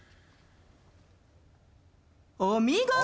お見事！